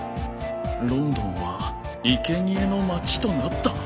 「ロンドンは生贄の街となった」